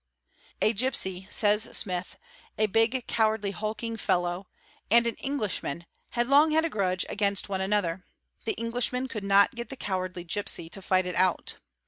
'gipsy," says Smith, "a big cowardly hulking fellow, and an Eng man, had long had a grudge against one another. The Englishman d not get the cowardly gipsy to fight it out.